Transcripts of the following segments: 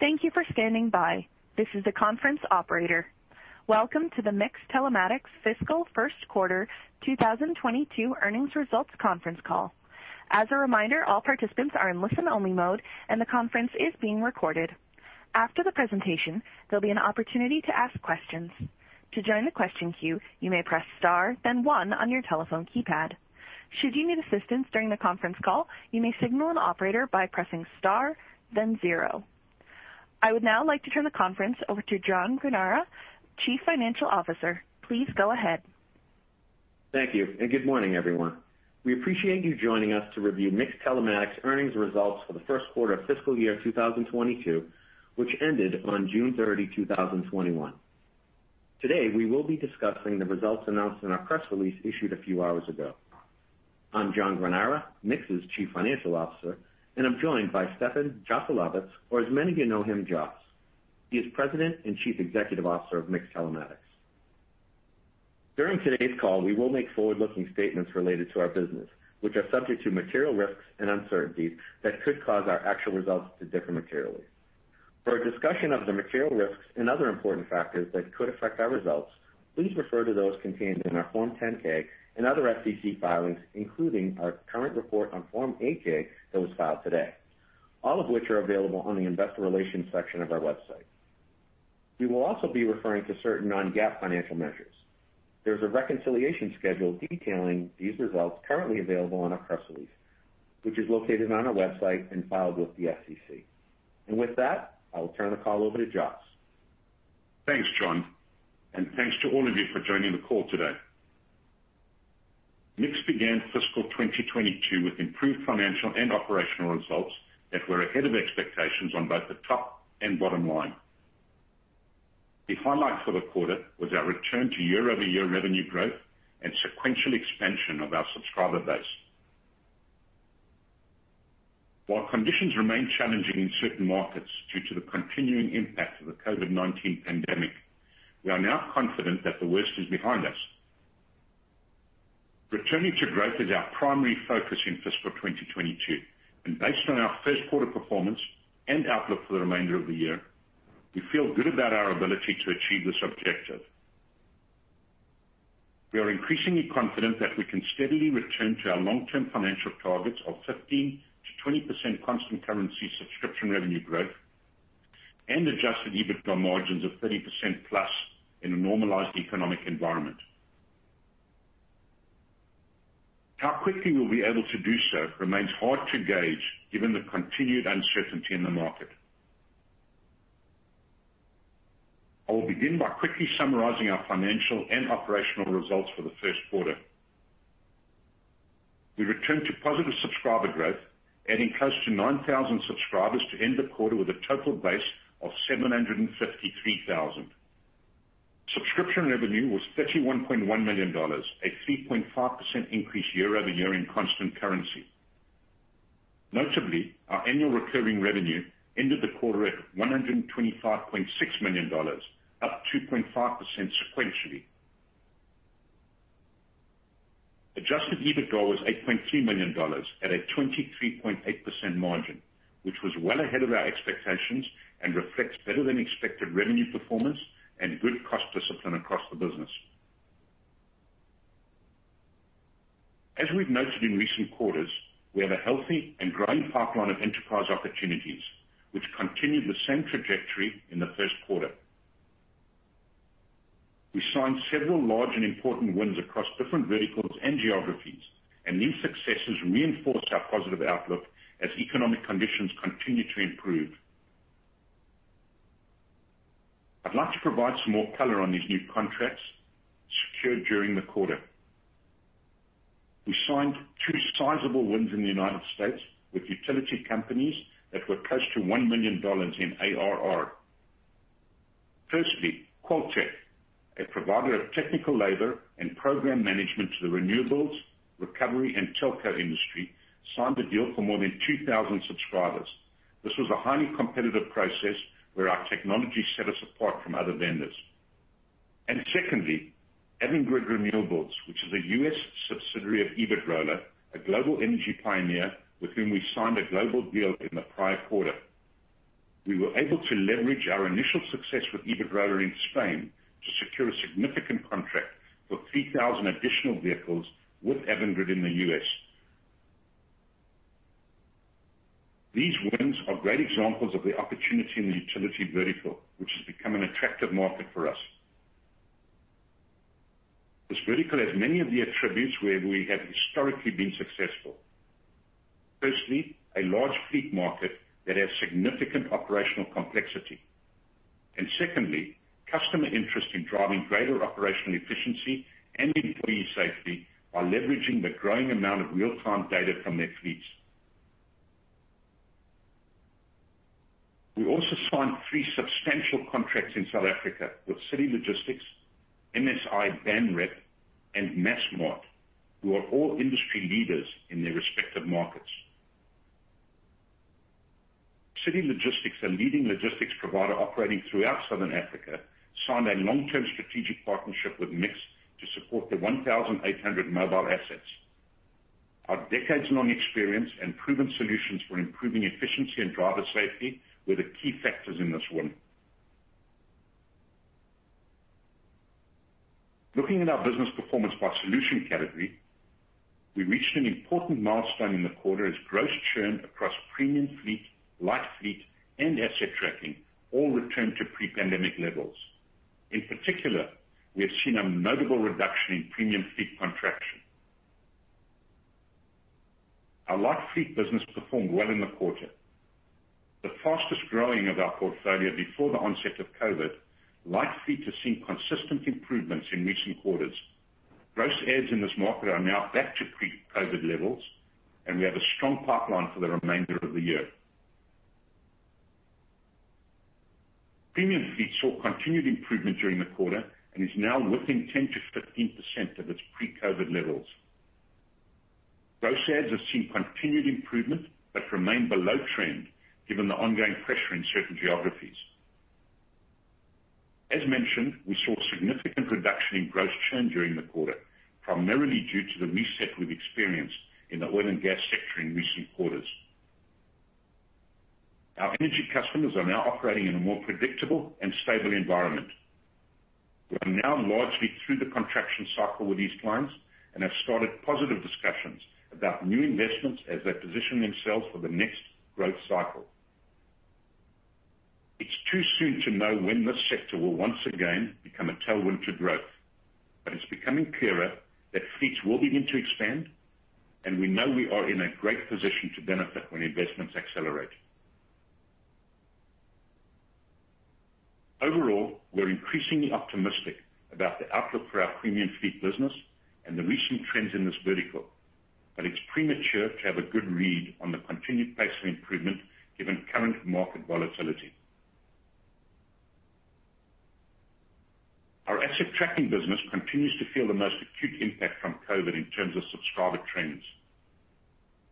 Thank you for standing by. This is the conference operator. Welcome to the MiX Telematics Fiscal First Quarter 2022 Earnings Results Conference Call. As a reminder, all participants are in listen-only mode, and the conference is being recorded. After the presentation, there'll be an opportunity to ask questions. To join the question queue, you may press star then one on your telephone keypad. Should you need assistance during the conference call, you may signal an operator by pressing star then zero. I would now like to turn the conference over to John Granara, Chief Financial Officer. Please go ahead. Thank you, good morning, everyone. We appreciate you joining us to review MiX Telematics earnings results for the 1st quarter of fiscal year 2022, which ended on June 30, 2021. Today, we will be discussing the results announced in our press release issued a few hours ago. I'm John Granara, MiX's Chief Financial Officer, and I'm joined by Stefan Joselowitz, or as many of you know him, Jos. He is President and Chief Executive Officer of MiX Telematics. During today's call, we will make forward-looking statements related to our business, which are subject to material risks and uncertainties that could cause our actual results to differ materially. For a discussion of the material risks and other important factors that could affect our results, please refer to those contained in our Form 10-K and other SEC filings, including our current report on Form 8-K that was filed today, all of which are available on the investor relations section of our website. We will also be referring to certain non-GAAP financial measures. There's a reconciliation schedule detailing these results currently available on our press release, which is located on our website and filed with the SEC. With that, I will turn the call over to Jos. Thanks, John, and thanks to all of you for joining the call today. MiX began fiscal 2022 with improved financial and operational results that were ahead of expectations on both the top and bottom line. The highlight for the quarter was our return to year-over-year revenue growth and sequential expansion of our subscriber base. While conditions remain challenging in certain markets due to the continuing impact of the COVID-19 pandemic, we are now confident that the worst is behind us. Returning to growth is our primary focus in fiscal 2022, and based on our first quarter performance and outlook for the remainder of the year, we feel good about our ability to achieve this objective. We are increasingly confident that we can steadily return to our long-term financial targets of 15%-20% constant currency subscription revenue growth and adjusted EBITDA margins of 30% plus in a normalized economic environment. How quickly we'll be able to do so remains hard to gauge given the continued uncertainty in the market. I will begin by quickly summarizing our financial and operational results for the 1st quarter. We returned to positive subscriber growth, adding close to 9,000 subscribers to end the quarter with a total base of 753,000. Subscription revenue was $31.1 million, a 3.5% increase year-over-year in constant currency. Notably, our annual recurring revenue ended the quarter at $125.6 million, up 2.5% sequentially. Adjusted EBITDA was $8.3 million at a 23.8% margin, which was well ahead of our expectations and reflects better than expected revenue performance and good cost discipline across the business. As we've noted in recent quarters, we have a healthy and growing pipeline of enterprise opportunities, which continued the same trajectory in the 1st quarter. We signed several large and important wins across different verticals and geographies. These successes reinforce our positive outlook as economic conditions continue to improve. I'd like to provide some more color on these new contracts secured during the quarter. We signed two sizable wins in the U.S. with utility companies that were close to ZAR 1 million in ARR. Firstly, QualTek, a provider of technical labor and program management to the renewables, recovery, and telco industry, signed a deal for more than 2,000 subscribers. This was a highly competitive process where our technology set us apart from other vendors. Secondly, Avangrid Renewables, which is a U.S. subsidiary of Iberdrola, a global energy pioneer with whom we signed a global deal in the prior quarter. We were able to leverage our initial success with Iberdrola in Spain to secure a significant contract for 3,000 additional vehicles with Avangrid in the U.S. These wins are great examples of the opportunity in the utility vertical, which has become an attractive market for us. This vertical has many of the attributes where we have historically been successful. Firstly, a large fleet market that has significant operational complexity. Secondly, customer interest in driving greater operational efficiency and employee safety by leveraging the growing amount of real-time data from their fleets. We also signed three substantial contracts in South Africa with City Logistics, [MSI Van Rhyne], and Massmart, who are all industry leaders in their respective markets. City Logistics, a leading logistics provider operating throughout Southern Africa, signed a long-term strategic partnership with MiX to support the 1,800 mobile assets. Our decades-long experience and proven solutions for improving efficiency and driver safety were the key factors in this win. Looking at our business performance by solution category, we reached an important milestone in the quarter as gross churn across Premium Fleet, Light Fleet, and Asset Tracking all returned to pre-pandemic levels. In particular, we have seen a notable reduction in Premium Fleet contraction. Our Light Fleet business performed well in the quarter. The fastest-growing of our portfolio before the onset of COVID, Light Fleet has seen consistent improvements in recent quarters. Gross adds in this market are now back to pre-COVID levels, and we have a strong pipeline for the remainder of the year. Premium Fleet saw continued improvement during the quarter and is now within 10%-15% of its pre-COVID levels. Gross adds have seen continued improvement but remain below trend given the ongoing pressure in certain geographies. As mentioned, we saw significant reduction in gross churn during the quarter, primarily due to the reset we've experienced in the oil and gas sector in recent quarters. Our energy customers are now operating in a more predictable and stable environment. We are now largely through the contraction cycle with these clients and have started positive discussions about new investments as they position themselves for the next growth cycle. It's too soon to know when this sector will once again become a tailwind to growth, but it's becoming clearer that fleets will begin to expand, and we know we are in a great position to benefit when investments accelerate. We're increasingly optimistic about the outlook for our Premium Fleet business and the recent trends in this vertical, but it's premature to have a good read on the continued pace of improvement given current market volatility. Our Asset Tracking business continues to feel the most acute impact from COVID-19 in terms of subscriber trends.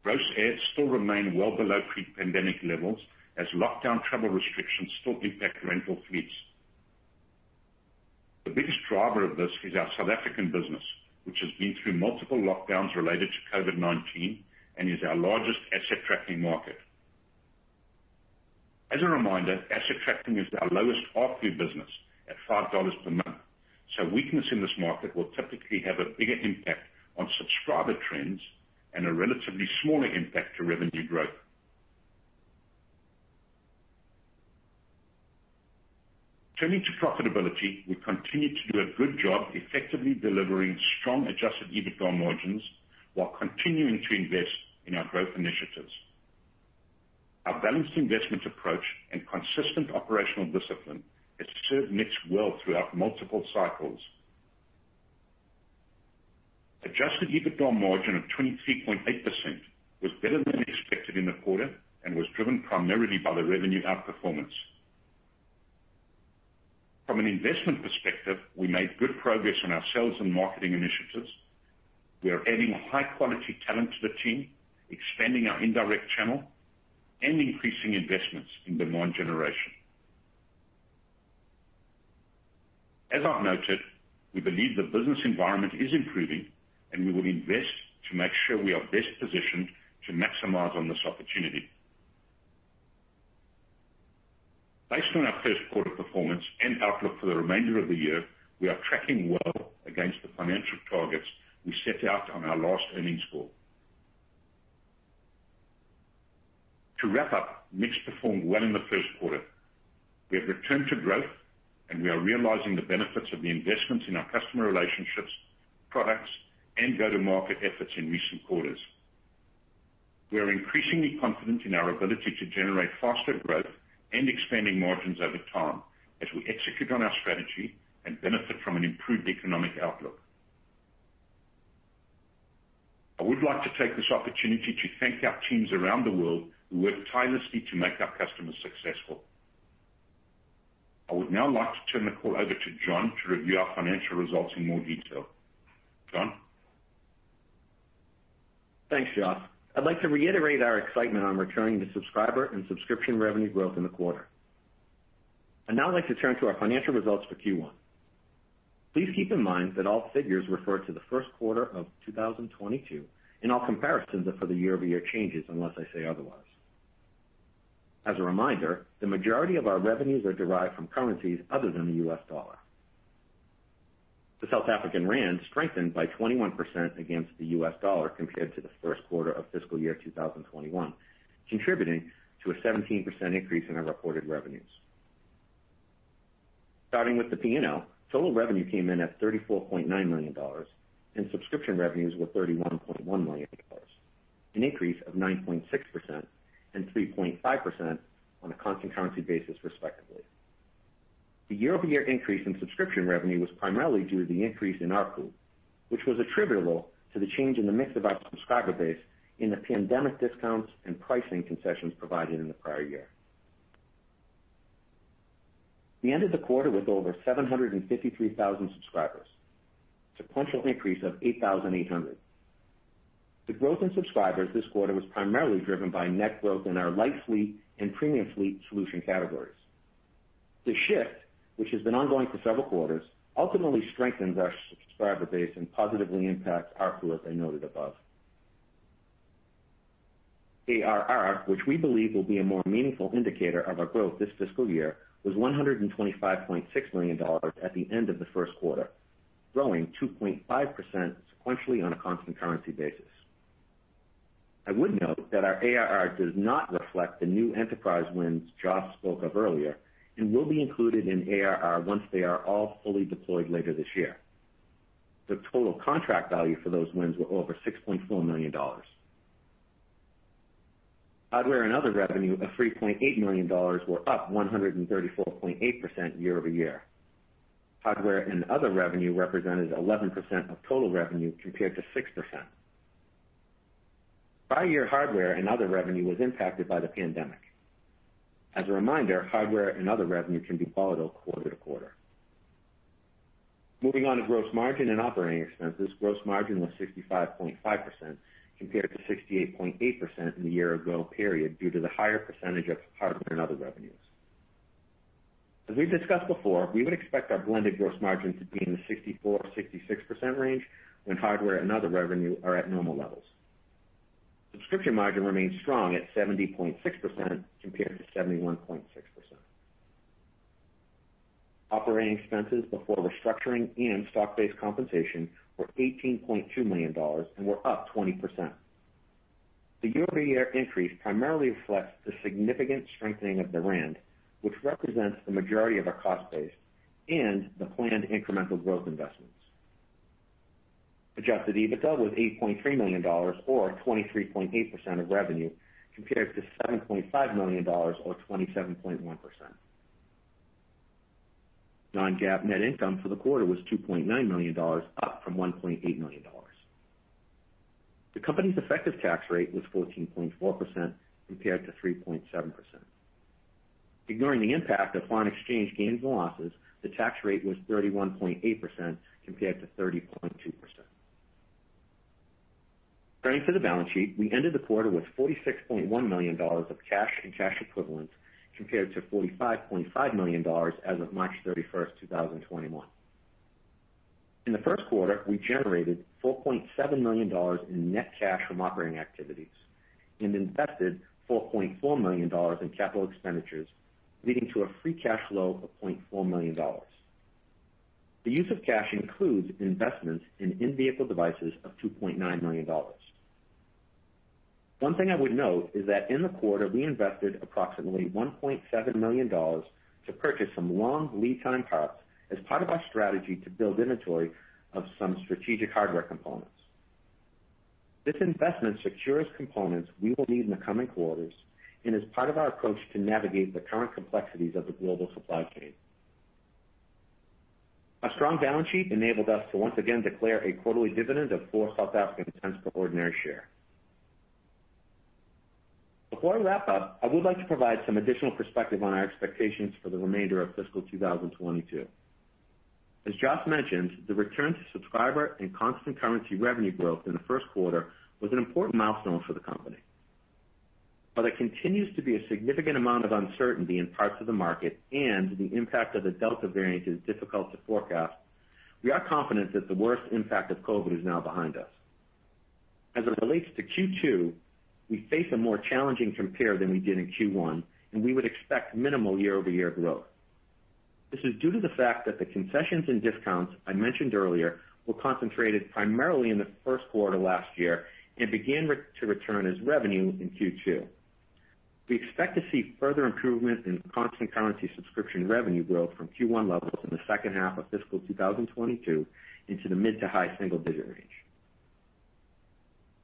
Gross adds still remain well below pre-pandemic levels as lockdown travel restrictions still impact rental fleets. The biggest driver of this is our South African business, which has been through multiple lockdowns related to COVID-19 and is our largest asset tracking market. As a reminder, asset tracking is our lowest ARPU business at $5 per month, so weakness in this market will typically have a bigger impact on subscriber trends and a relatively smaller impact to revenue growth. Turning to profitability, we continued to do a good job effectively delivering strong adjusted EBITDA margins while continuing to invest in our growth initiatives. Our balanced investment approach and consistent operational discipline has served MiX well throughout multiple cycles. Adjusted EBITDA margin of 23.8% was better than expected in the quarter and was driven primarily by the revenue outperformance. From an investment perspective, we made good progress on our sales and marketing initiatives. We are adding high-quality talent to the team, expanding our indirect channel, and increasing investments in demand generation. As I've noted, we believe the business environment is improving, and we will invest to make sure we are best positioned to maximize on this opportunity. Based on our first quarter performance and outlook for the remainder of the year, we are tracking well against the financial targets we set out on our last earnings call. To wrap up, MiX performed well in the first quarter. We have returned to growth, and we are realizing the benefits of the investments in our customer relationships, products, and go-to-market efforts in recent quarters. We are increasingly confident in our ability to generate faster growth and expanding margins over time as we execute on our strategy and benefit from an improved economic outlook. I would like to take this opportunity to thank our teams around the world who work tirelessly to make our customers successful. I would now like to turn the call over to John to review our financial results in more detail. John? Thanks, Jos. I'd like to reiterate our excitement on returning to subscriber and subscription revenue growth in the quarter. I'd now like to turn to our financial results for Q1. Please keep in mind that all figures refer to the first quarter of 2022, and all comparisons are for the year-over-year changes, unless I say otherwise. As a reminder, the majority of our revenues are derived from currencies other than the US dollar. The South African rand strengthened by 21% against the US dollar compared to the first quarter of fiscal year 2021, contributing to a 17% increase in our reported revenues. Starting with the P&L, total revenue came in at $34.9 million, and subscription revenues were $31.1 million, an increase of 9.6% and 3.5% on a constant currency basis, respectively. The year-over-year increase in subscription revenue was primarily due to the increase in ARPU, which was attributable to the change in the mix of our subscriber base in the pandemic discounts and pricing concessions provided in the prior year. We ended the quarter with over 753,000 subscribers, a sequential increase of 8,800. The growth in subscribers this quarter was primarily driven by net growth in our Light Fleet and Premium Fleet solution categories. The shift, which has been ongoing for several quarters, ultimately strengthens our subscriber base and positively impacts ARPU, as I noted above. ARR, which we believe will be a more meaningful indicator of our growth this fiscal year, was $125.6 million at the end of the first quarter, growing 2.5% sequentially on a constant currency basis. I would note that our ARR does not reflect the new enterprise wins Jos spoke of earlier and will be included in ARR once they are all fully deployed later this year. The total contract value for those wins were over $6.4 million. Hardware and other revenue of $3.8 million were up 134.8% year-over-year. Hardware and other revenue represented 11% of total revenue, compared to 6%. Prior year hardware and other revenue was impacted by the pandemic. As a reminder, hardware and other revenue can be volatile quarter-to-quarter. Moving on to gross margin and operating expenses. Gross margin was 65.5%, compared to 68.8% in the year ago period due to the higher percentage of hardware and other revenues. As we've discussed before, we would expect our blended gross margin to be in the 64%-66% range when hardware and other revenue are at normal levels. Subscription margin remains strong at 70.6%, compared to 71.6%. Operating expenses before restructuring and stock-based compensation were $18.2 million and were up 20%. The year-over-year increase primarily reflects the significant strengthening of the Rand, which represents the majority of our cost base and the planned incremental growth investments. Adjusted EBITDA was $8.3 million, or 23.8% of revenue, compared to $7.5 million, or 27.1%. Non-GAAP net income for the quarter was $2.9 million, up from $1.8 million. The company's effective tax rate was 14.4%, compared to 3.7%. Ignoring the impact of foreign exchange gains and losses, the tax rate was 31.8%, compared to 30.2%. Turning to the balance sheet, we ended the quarter with $46.1 million of cash and cash equivalents, compared to $45.5 million as of March 31st, 2021. In the first quarter, we generated $4.7 million in net cash from operating activities and invested $4.4 million in capital expenditures, leading to a free cash flow of $0.4 million. The use of cash includes investments in in-vehicle devices of $2.9 million. One thing I would note is that in the quarter, we invested approximately $1.7 million to purchase some long lead time parts as part of our strategy to build inventory of some strategic hardware components. This investment secures components we will need in the coming quarters and is part of our approach to navigate the current complexities of the global supply chain. Our strong balance sheet enabled us to once again declare a quarterly dividend of 0.04 per ordinary share. Before I wrap up, I would like to provide some additional perspective on our expectations for the remainder of fiscal 2022. As Jos mentioned, the return to subscriber and constant currency revenue growth in the first quarter was an important milestone for the company. While there continues to be a significant amount of uncertainty in parts of the market and the impact of the Delta variant is difficult to forecast, we are confident that the worst impact of COVID is now behind us. As it relates to Q2, we face a more challenging compare than we did in Q1, and we would expect minimal year-over-year growth. This is due to the fact that the concessions and discounts I mentioned earlier were concentrated primarily in the first quarter last year and began to return as revenue in Q2. We expect to see further improvement in constant currency subscription revenue growth from Q1 levels in the second half of fiscal 2022 into the mid to high single-digit range.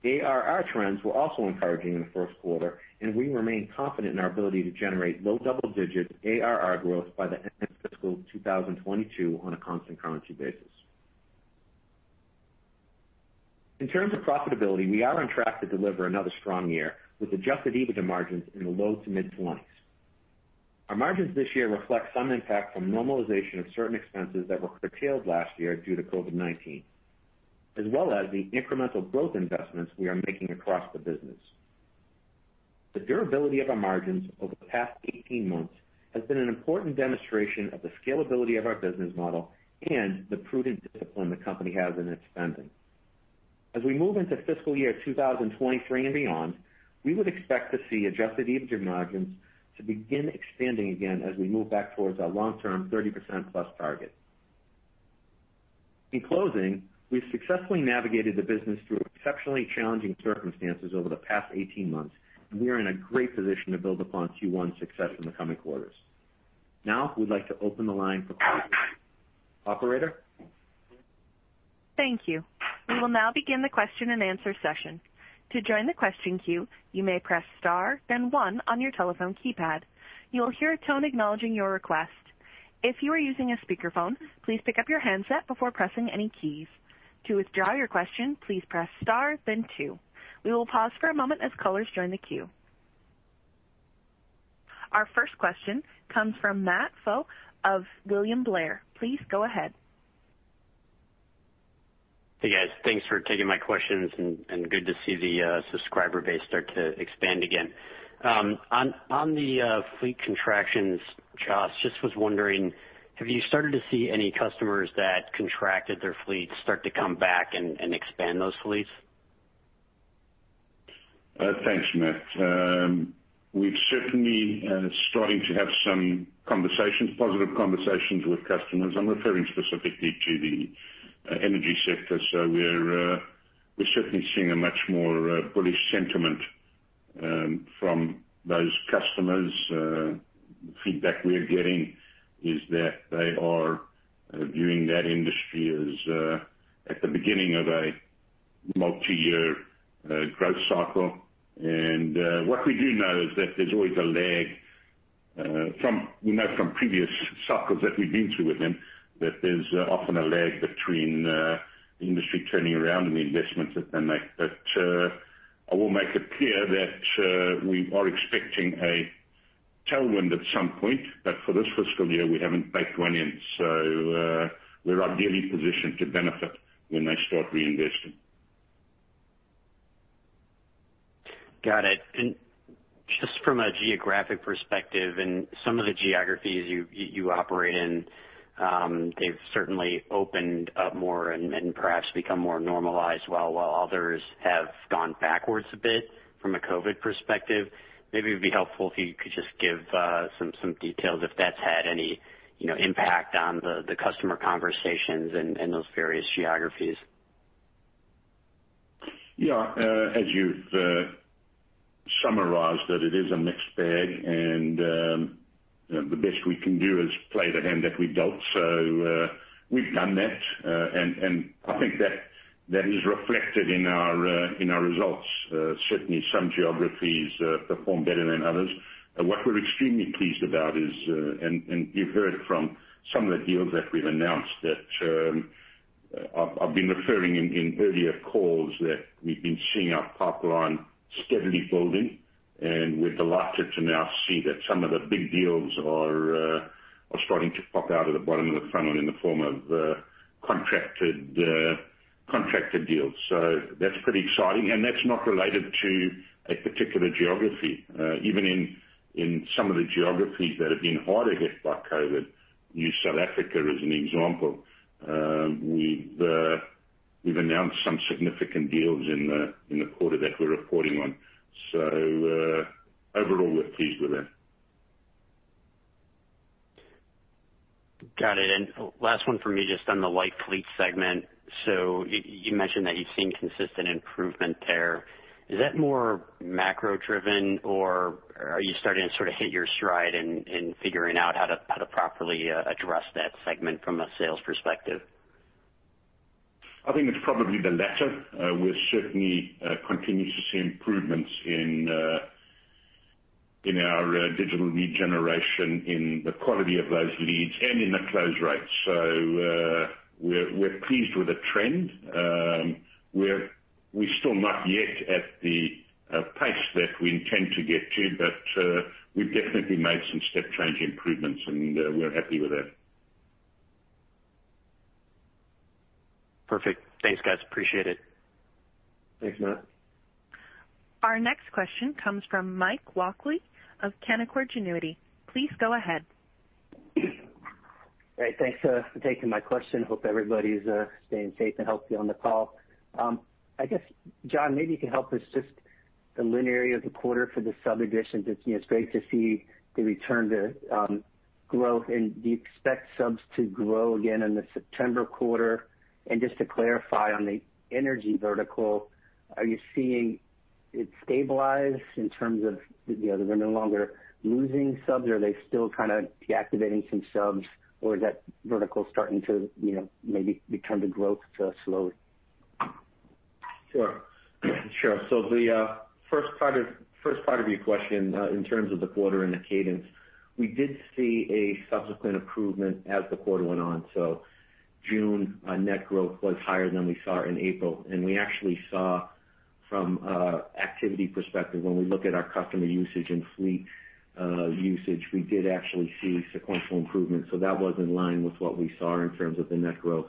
ARR trends were also encouraging in the first quarter, and we remain confident in our ability to generate low double digits ARR growth by the end of fiscal 2022 on a constant currency basis. In terms of profitability, we are on track to deliver another strong year with adjusted EBITDA margins in the low to mid 20s. Our margins this year reflect some impact from normalization of certain expenses that were curtailed last year due to COVID-19, as well as the incremental growth investments we are making across the business. The durability of our margins over the past 18 months has been an important demonstration of the scalability of our business model and the prudent discipline the company has in its spending. As we move into fiscal year 2023 and beyond, we would expect to see adjusted EBITDA margins to begin expanding again as we move back towards our long-term 30% plus target. In closing, we've successfully navigated the business through exceptionally challenging circumstances over the past 18 months, and we are in a great position to build upon Q1 success in the coming quarters. Now, we'd like to open the line for questions. Operator? Thank you. We will now begin the question and answer session. To join the question queue, you may press star then one on your telephone keypad. You will hear a tone acknowledging your request. If you are using a speakerphone, please pick up your handset before pressing any keys. To withdraw your question, please press star then two. We will pause for a moment as callers join the queue. Our first question comes from Matt Pfau of William Blair. Please go ahead. Hey, guys. Thanks for taking my questions, and good to see the subscriber base start to expand again. On the fleet contractions, Jos, just was wondering, have you started to see any customers that contracted their fleet start to come back and expand those fleets? Thanks, Matt. We're certainly starting to have some positive conversations with customers. I'm referring specifically to the energy sector. We're certainly seeing a much more bullish sentiment from those customers. Feedback we're getting is that they are viewing that industry as at the beginning of a multi-year growth cycle. What we do know is that there's always a lag. We know from previous cycles that we've been through with them, that there's often a lag between the industry turning around and the investments that they make. I will make it clear that we are expecting a tailwind at some point. For this fiscal year, we haven't baked one in. We're ideally positioned to benefit when they start reinvesting. Got it. Just from a geographic perspective and some of the geographies you operate in, they've certainly opened up more and perhaps become more normalized, while others have gone backwards a bit from a COVID perspective. Maybe it'd be helpful if you could just give some details if that's had any impact on the customer conversations in those various geographies? Yeah. As you've summarized, that it is a mixed bag, and the best we can do is play the hand that we're dealt. We've done that, and I think that is reflected in our results. Certainly, some geographies perform better than others. What we're extremely pleased about is, you've heard from some of the deals that we've announced, that I've been referring in earlier calls that we've been seeing our pipeline steadily building, and we're delighted to now see that some of the big deals are starting to pop out of the bottom of the funnel in the form of contracted deals. That's pretty exciting, and that's not related to a particular geography. Even in some of the geographies that have been harder hit by COVID-19, use South Africa as an example, we've announced some significant deals in the quarter that we're reporting on. Overall, we're pleased with that. Got it. Last one for me, just on the Light Fleet segment. You mentioned that you've seen consistent improvement there. Is that more macro-driven, or are you starting to sort of hit your stride in figuring out how to properly address that segment from a sales perspective? I think it's probably the latter. We're certainly continuing to see improvements in our digital lead generation, in the quality of those leads, and in the close rates. We're pleased with the trend. We're still not yet at the pace that we intend to get to, but we've definitely made some step-change improvements, and we're happy with that. Perfect. Thanks, guys. Appreciate it. Thanks, Matt. Our next question comes from Mike Walkley of Canaccord Genuity. Please go ahead. Great. Thanks for taking my question. Hope everybody's staying safe and healthy on the call. I guess, John, maybe you can help us just the linear area of the quarter for the sub additions. It's great to see the return to growth. Do you expect subs to grow again in the September quarter? Just to clarify on the energy vertical, are you seeing it stabilize in terms of they're no longer losing subs? Are they still kind of deactivating some subs? Or is that vertical starting to maybe return to growth slowly? Sure. The first part of your question in terms of the quarter and the cadence, we did see a subsequent improvement as the quarter went on. June net growth was higher than we saw in April. We actually saw from activity perspective, when we look at our customer usage and fleet usage, we did actually see sequential improvement. That was in line with what we saw in terms of the net growth.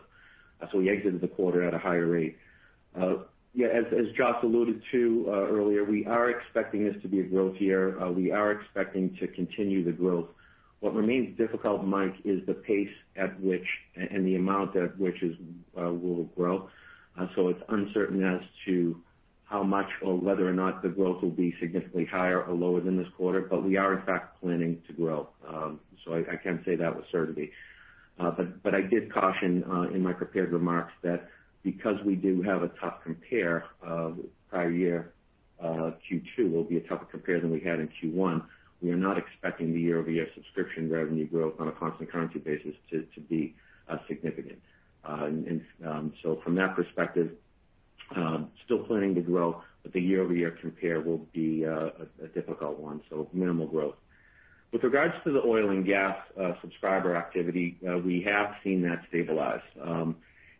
We exited the quarter at a higher rate. As Jos alluded to earlier, we are expecting this to be a growth year. We are expecting to continue the growth. What remains difficult, Mike, is the pace at which and the amount at which will grow. It's uncertain as to how much or whether or not the growth will be significantly higher or lower than this quarter. We are in fact planning to grow. I can say that with certainty. I did caution in my prepared remarks that because we do have a tough compare of prior year, Q2 will be a tougher compare than we had in Q1. We are not expecting the year-over-year subscription revenue growth on a constant currency basis to be significant. From that perspective, still planning to grow, but the year-over-year compare will be a difficult one, so minimal growth. With regards to the oil and gas subscriber activity, we have seen that stabilize.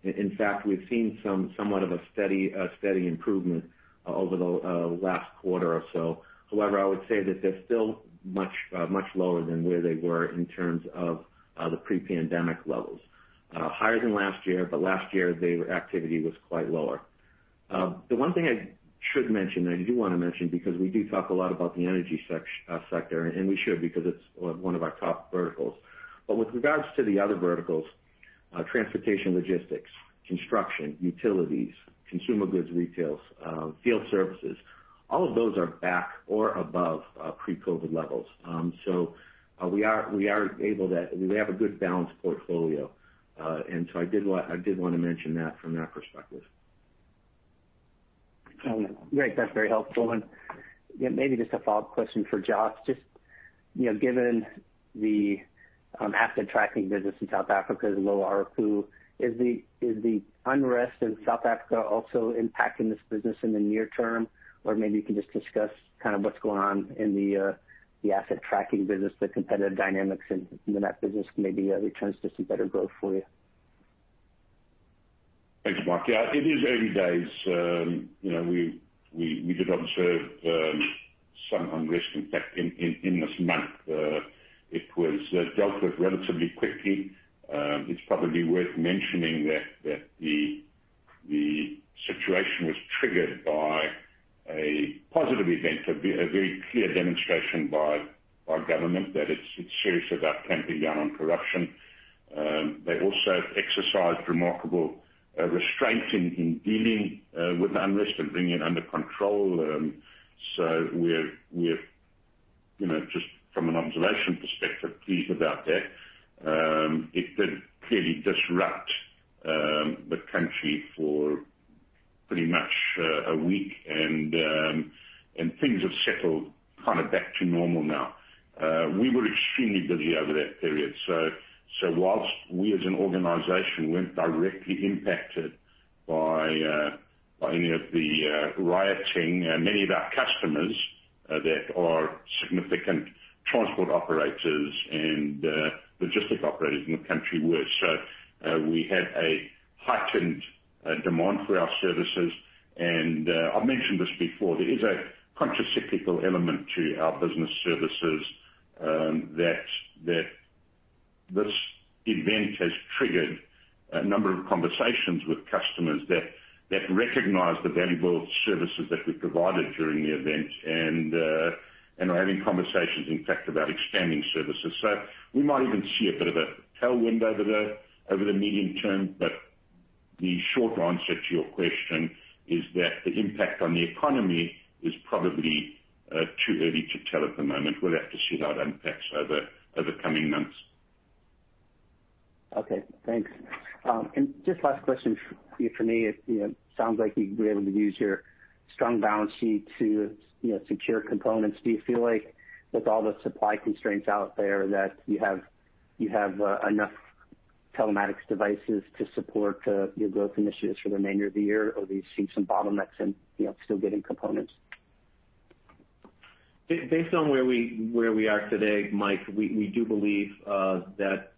In fact, we've seen somewhat of a steady improvement over the last quarter or so. However, I would say that they're still much lower than where they were in terms of the pre-pandemic levels. Higher than last year. Last year, the activity was quite lower. The one thing I should mention, I do want to mention because we do talk a lot about the energy sector, and we should, because it's one of our top verticals. With regards to the other verticals, transportation, logistics, construction, utilities, consumer goods, retails, field services, all of those are back or above pre-COVID levels. We have a good balanced portfolio. I did want to mention that from that perspective. Great. That's very helpful. Maybe just a follow-up question for Jos. Just given the Asset Tracking business in South Africa is low ARPU, is the unrest in South Africa also impacting this business in the near term? Maybe you can just discuss kind of what's going on in the Asset Tracking business, the competitive dynamics in that business, maybe returns to some better growth for you? Thanks, Mike. Yeah, it is early days. We did observe some unrest, in fact, in this month. It was dealt with relatively quickly. It's probably worth mentioning that the situation was triggered by a positive event, a very clear demonstration by our government that it's serious about clamping down on corruption. They also have exercised remarkable restraint in dealing with unrest and bringing it under control. We're, just from an observation perspective, pleased about that. It did clearly disrupt the country for pretty much a week, and things have settled kind of back to normal now. We were extremely busy over that period. Whilst we, as an organization, weren't directly impacted by any of the rioting, many of our customers that are significant transport operators and logistic operators in the country were. We had a heightened demand for our services. I mentioned this before, there is a counter-cyclical element to our business services, that this event has triggered a number of conversations with customers that recognize the valuable services that we provided during the event and are having conversations, in fact, about expanding services. We might even see a bit of a tailwind over the medium term. The short answer to your question is that the impact on the economy is probably too early to tell at the moment. We'll have to see how it impacts over coming months. Okay, thanks. Just last question for me. It sounds like you've been able to use your strong balance sheet to secure components. Do you feel like with all the supply constraints out there that you have enough telematics devices to support your growth initiatives for the remainder of the year? Or are you seeing some bottlenecks in still getting components? Based on where we are today, Mike, we do believe that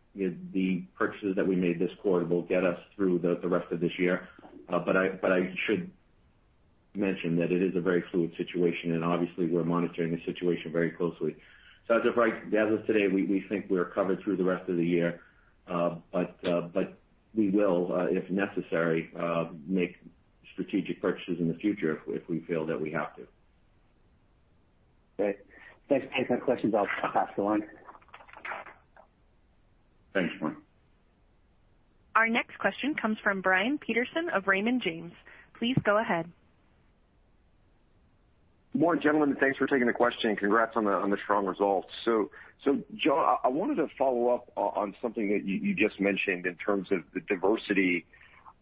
the purchases that we made this quarter will get us through the rest of this year. I should mention that it is a very fluid situation, and obviously, we're monitoring the situation very closely. As of today, we think we're covered through the rest of the year. We will, if necessary, make strategic purchases in the future if we feel that we have to. Great. Thanks. I have no more questions. I'll pass the line. Thanks, Mike. Our next question comes from Brian Peterson of Raymond James. Please go ahead. Morning, gentlemen. Thanks for taking the question, and congrats on the strong results. Jos, I wanted to follow up on something that you just mentioned in terms of the diversity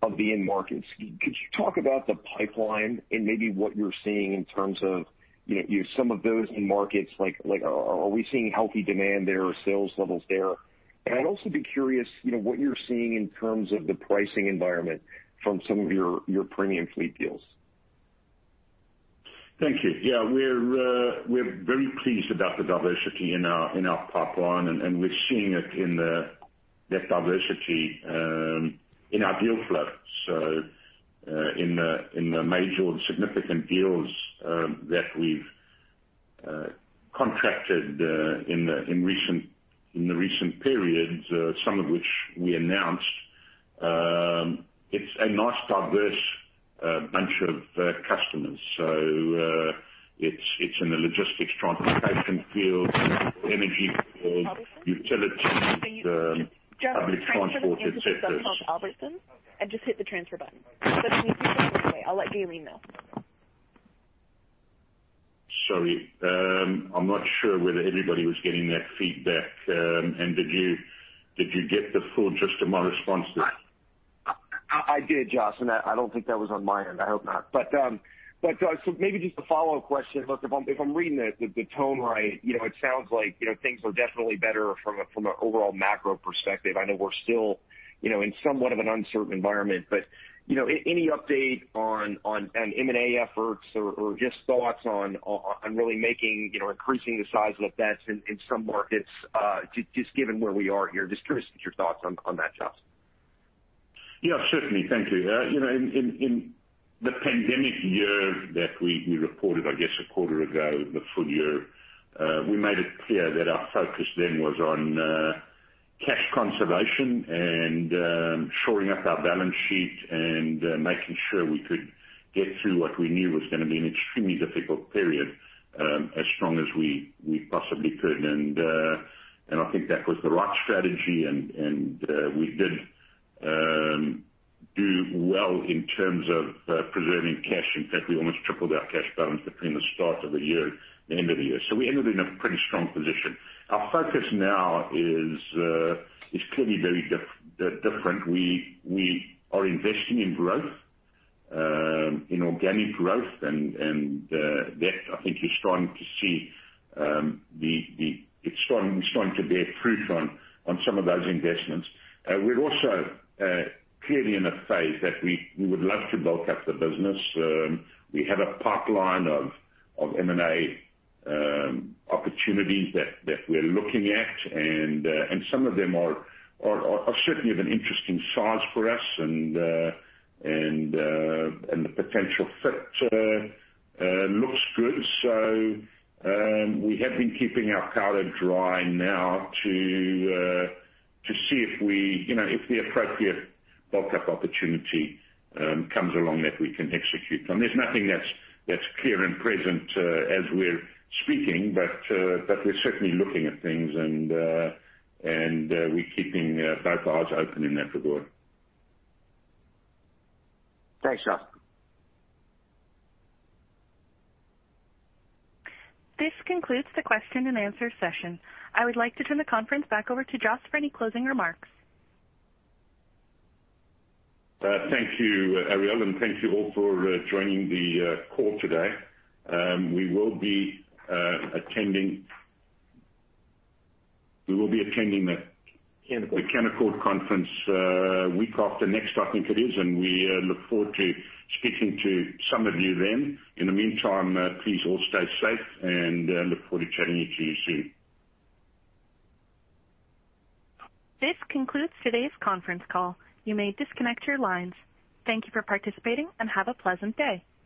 of the end markets. Could you talk about the pipeline and maybe what you're seeing in terms of some of those end markets? Are we seeing healthy demand there or sales levels there? I'd also be curious what you're seeing in terms of the pricing environment from some of your premium fleet deals? Thank you. Yeah, we're very pleased about the diversity in our pipeline, and we're seeing that diversity in our deal flow. In the major and significant deals that we've contracted in the recent periods, some of which we announced, it's a nice diverse bunch of customers. It's in the logistics transportation field, energy field, utilities. Sorry. I am not sure whether everybody was getting that feedback. Did you get the full gist of my response there? I did, Jos. I don't think that was on my end. I hope not. Maybe just a follow-up question. Look, if I'm reading the tone right, it sounds like things are definitely better from an overall macro perspective. I know we're still in somewhat of an uncertain environment. Any update on M&A efforts or just thoughts on really increasing the size of the bets in some markets, just given where we are here? Just curious what your thoughts are on that, Jos. Yeah, certainly. Thank you. In the pandemic year that we reported, I guess, a quarter ago, the full year, we made it clear that our focus then was on cash conservation and shoring up our balance sheet and making sure we could get through what we knew was going to be an extremely difficult period as strong as we possibly could. I think that was the right strategy, and we did do well in terms of preserving cash. In fact, we almost tripled our cash balance between the start of the year and the end of the year. We ended in a pretty strong position. Our focus now is clearly very different. We are investing in growth, in organic growth, and that I think you're starting to see it's starting to bear fruit on some of those investments. We're also clearly in a phase that we would love to bulk up the business. We have a pipeline of M&A opportunities that we are looking at, and some of them are certainly of an interesting size for us. The potential fit looks good. We have been keeping our powder dry now to see if the appropriate bulk-up opportunity comes along that we can execute. There's nothing that's clear and present as we're speaking, but we're certainly looking at things, and we're keeping both eyes open in that regard. Thanks, Jos. This concludes the question and answer session. I would like to turn the conference back over to Jos for any closing remarks. Thank you, Ariel, and thank you all for joining the call today. We will be attending the Canaccord conference a week after next, I think it is, and we look forward to speaking to some of you then. In the meantime, please all stay safe, and look forward to chatting with you soon. This concludes today's conference call. You may disconnect your lines. Thank you for participating and have a pleasant day.